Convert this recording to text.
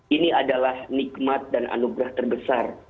ini adalah nikmat dan anugerah terbesar